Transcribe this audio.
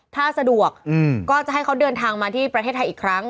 ถ้าสะดวกก็จะให้เขาเดินทางมาที่ประเทศไทยอีกครั้ง